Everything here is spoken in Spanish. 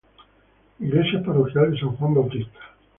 Iglesia Parroquial de San Juan Bautista.